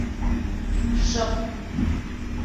Шып...